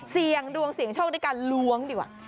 เสี่ยงดวงเสี่ยงโชคด้วยการล้วงดีกว่า